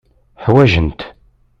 Ḥwajen-t.